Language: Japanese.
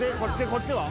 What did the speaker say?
こっちは？